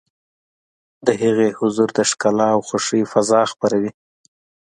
د هغې حضور د ښکلا او خوښۍ فضا خپروي.